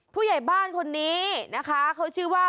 ผู้ใหญ่บ้านคนนี้นะคะเขาชื่อว่า